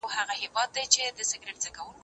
ته ولي لوبه کوې،